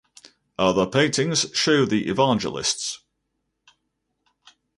Other paintings show the Evangelists.